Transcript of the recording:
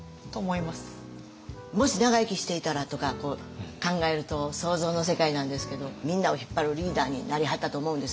もし長生きしていたらとか考えると想像の世界なんですけどみんなを引っ張るリーダーになりはったと思うんですよ。